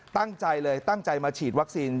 ตั้งใจเลยตั้งใจมาฉีดวัคซีน